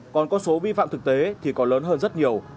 còn con số vi phạm thực tế thì còn lớn hơn rất nhiều